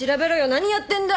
何やってんだ！？